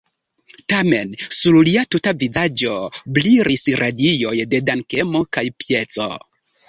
Tamen sur lia tuta vizaĝo brilis radioj de dankemo kaj pieco.